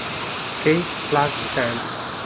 Kate Plus Ten